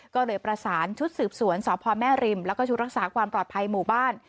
ก็เลยประสานชุดสืบสวนสพแม่ริมแล้วก็ชุดรักษาความปลอดภัยหมู่บ้าน